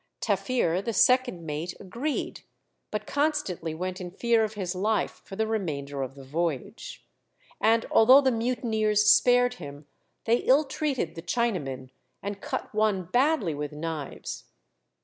Taffir, the second mate, agreed, but constantly went in fear of his life for the remainder of the voyage; and although the mutineers spared him, they ill treated the Chinamen, and cut one badly with knives.